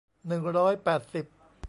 หนึ่งร้อยแปดสิบ